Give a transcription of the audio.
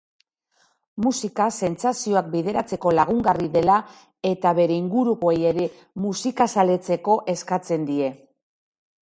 Musika sentsazioak bideratzeko lagungarri dela eta bere ingurukoei ere musikazaletzeko eskatzen die.